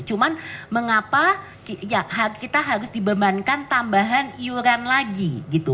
cuma mengapa ya kita harus dibebankan tambahan iuran lagi gitu